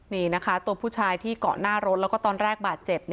นี่นะคะตัวผู้ชายที่เกาะหน้ารถแล้วก็ตอนแรกบาดเจ็บ